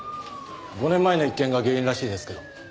５年前の一件が原因らしいですけど。